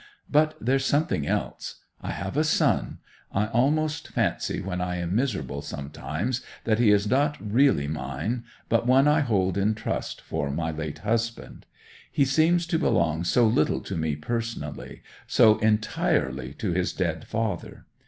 But there's something else. I have a son ... I almost fancy when I am miserable sometimes that he is not really mine, but one I hold in trust for my late husband. He seems to belong so little to me personally, so entirely to his dead father.